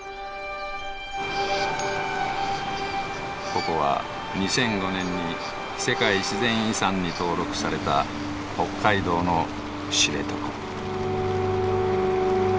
ここは２００５年に世界自然遺産に登録された北海道の知床。